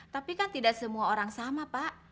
tapi kan tidak semua orang sama pak